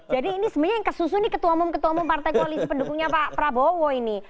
jadi ini sebenarnya yang ke susu nih ketua umum ketua umum partai koalisi pendukungnya pak prabowo ini